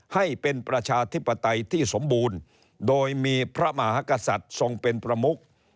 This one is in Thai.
ให้เป็นประชาธิปไตยที่สมบูรณ์โดยมีพระมหากษัตริย์ทรงเป็นประมุก